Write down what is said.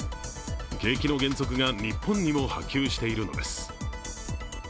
景気の減速が日本にも波及しているのです。